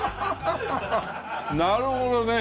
なるほどね。